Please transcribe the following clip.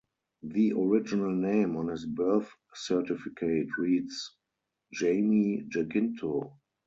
The original name on his birth certificate reads "Jaime Jacinto".